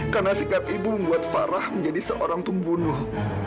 karena sikap ibu membuat farah menjadi seorang tumbunuh